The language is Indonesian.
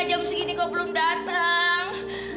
jam segini kok belum datang